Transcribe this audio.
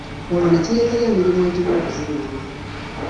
Olwo ne kireetera emirimu egimu okuzingama.